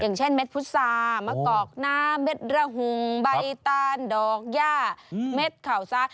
อย่างเช่นเม็ดพุษามะกอกน้ำเม็ดระหุงใบตานดอกย่าเม็ดเข่าซ้า